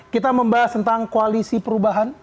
kita membahas tentang koalisi perubahan